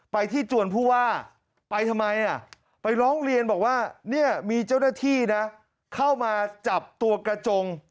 ไปที่จวนผู้ว่าไปทำไมไปร้องเรียนบอกว่าเนี่ยมีเจ้าหน้าที่นะเข้ามาจับตัวกระจง